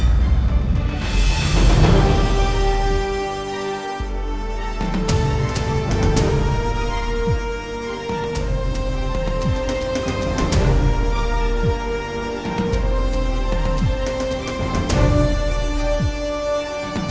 bisa lebih keras